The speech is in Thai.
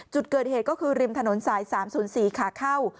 จุดเกิดเหตุก็คือริมถนนสาย๓๐๔ขาเข้า